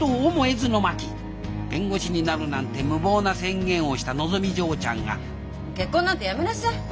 弁護士になるなんて無謀な宣言をしたのぞみ嬢ちゃんが結婚なんてやめなさい。